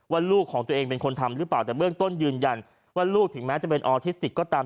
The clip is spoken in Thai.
ลูกของตัวเองเป็นคนทำหรือเปล่าแต่เบื้องต้นยืนยันว่าลูกถึงแม้จะเป็นออทิสติกก็ตาม